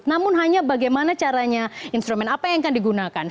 namun hanya bagaimana caranya instrumen apa yang akan digunakan